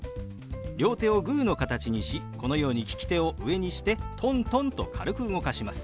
両手をグーの形にしこのように利き手を上にしてトントンと軽く動かします。